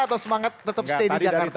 atau semangat tetap stay di jakarta